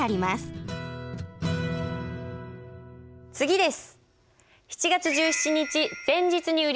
次です。